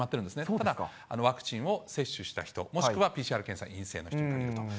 ただ、ワクチンを接種した人、もしくはＰＣＲ検査陰性の人に限ると。